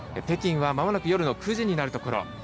北京は、まもなく夜の９時になるところ。